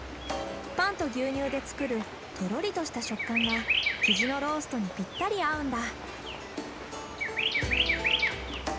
パンと牛乳で作るとろりとした食感がキジのローストにぴったり合うんだ。